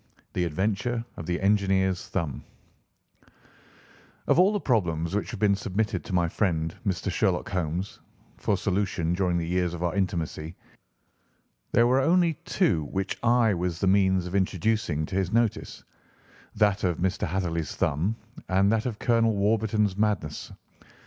THE ADVENTURE OF THE ENGINEER'S THUMB Of all the problems which have been submitted to my friend, Mr. Sherlock Holmes, for solution during the years of our intimacy, there were only two which I was the means of introducing to his notice—that of Mr. Hatherley's thumb, and that of Colonel Warburton's madness.